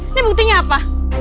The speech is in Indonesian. ini buktinya apa